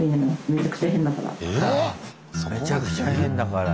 めちゃくちゃ変だから。